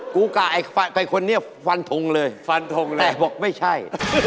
กูกระเอฟ่กับคนเนี่ยฟันทงเลยแต่บอกไม่ใช่